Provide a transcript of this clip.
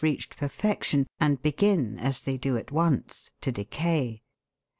reached perfection, and begin, as they do at once, to decay.